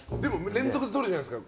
連続で撮るじゃないですか。